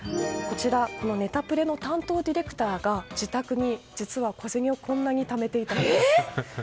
こちら、ネタプレの担当ディレクターが自宅に小銭をこんなにためていたんです。